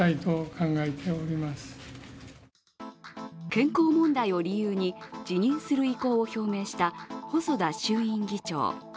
健康問題を理由に辞任する意向を表明した細田衆院議長。